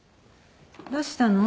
どうしたの？